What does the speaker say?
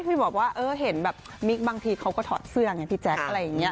พี่บอกว่าเออเห็นแบบมิ๊กบางทีเขาก็ถอดเสื้อไงพี่แจ๊คอะไรอย่างนี้